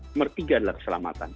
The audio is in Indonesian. nomor tiga adalah keselamatan